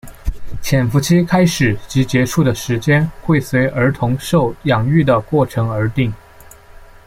潜伏期开始及结束的时间会随儿童受养育的过程而定。